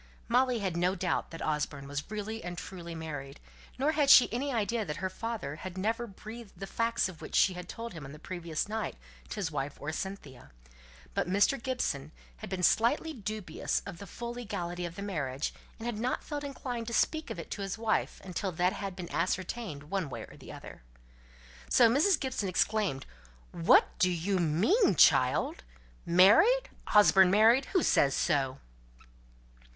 Molly had no doubt that Osborne was really and truly married, nor had she any idea that her father had never breathed the facts of which she had told him on the previous night, to his wife or Cynthia. But Mr. Gibson had been slightly dubious of the full legality of the marriage, and had not felt inclined to speak of it to his wife until that had been ascertained one way or another. So Mrs. Gibson exclaimed, "What do you mean, child? Married! Osborne married! Who says so?"